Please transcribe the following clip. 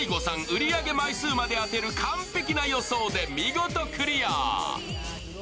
売り上げ枚数まで当てる完璧な予想で見事クリア。